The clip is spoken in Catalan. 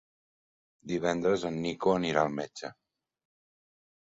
Divendres en Nico anirà al metge.